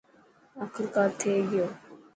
آخرڪار ٿي گيو.